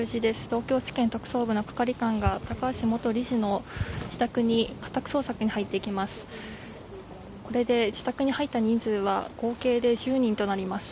東京地検特捜部の係官が高橋元理事の自宅に家宅捜索に入っていきます。